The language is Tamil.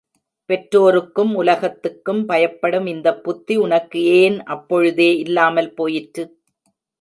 பெற்றோருக்கும் உலகத்துக்கும் பயப்படும் இந்தப் புத்தி உனக்கு ஏன் அப்பொழுதே இல்லாமல் போயிற்று?